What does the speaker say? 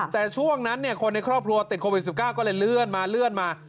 แต่ช่วงนั้นคนในครอบครัวติดโควิด๑๙ก็เลยเลื่อนมาเลื่อนมา